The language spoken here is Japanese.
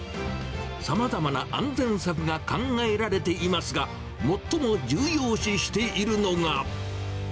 さまざまな安全策が考えられていますが、最も重要視しているのが。